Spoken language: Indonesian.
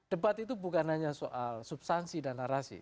debat itu bukan hanya soal substansi dan narasi